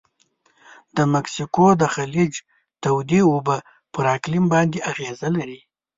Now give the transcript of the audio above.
د مکسیکو د خلیج تودې اوبه پر اقلیم باندې اغیزه لري.